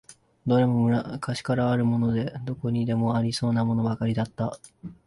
どれも昔からあるもので、どこにでもありそうなものばかりだった。